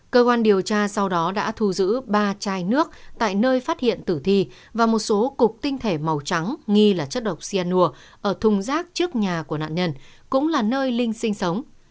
cơ quan điều tra sau đó đã thu giữ ba chai nước tại nơi phát hiện tử thi và một số cục tinh thể màu trắng nghi là chất độc cyanur ở thùng rác trước nhà của nạn nhân cũng là nơi linh sinh sống